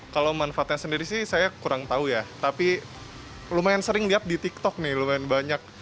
kalau manfaatnya sendiri sih saya kurang tahu ya tapi lumayan sering lihat di tiktok nih lumayan banyak